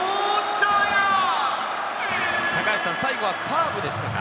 最後はカーブでしたか？